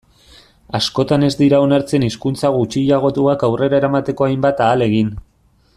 Askotan ez dira onartzen hizkuntza gutxiagotuak aurrera eramateko hainbat ahalegin.